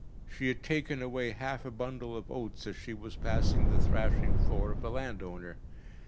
She had taken away half a bundle of oats as she was passing the thrashing floor of a landowner.